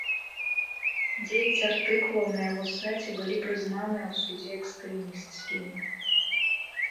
Дзевяць артыкулаў на яго сайце былі прызнаныя ў судзе экстрэмісцкімі.